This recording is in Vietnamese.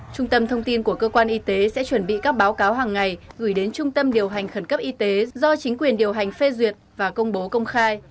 trung tâm thông tin của cơ quan y tế sẽ chuẩn bị các báo cáo hàng ngày gửi đến trung tâm điều hành khẩn cấp y tế do chính quyền điều hành phê duyệt và công bố công khai